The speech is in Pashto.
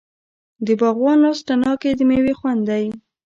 د باغوان لاس تڼاکې د میوې خوند دی.